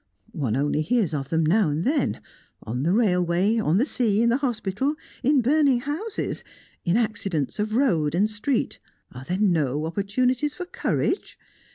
One only hears of them now and then. On the railway on the sea in the hospital in burning houses in accidents of road and street are there no opportunities for courage?